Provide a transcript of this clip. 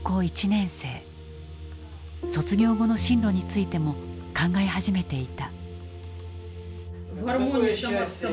卒業後の進路についても考え始めていた。